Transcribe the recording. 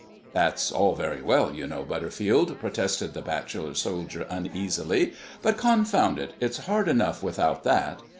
"That's all very well, you know, Butterfield," protested the bachelor soldier uneasily, "but, confound it, it's hard enough without that.